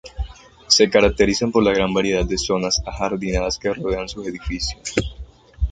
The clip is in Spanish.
Se caracteriza por la gran variedad de zonas ajardinadas que rodean sus edificios.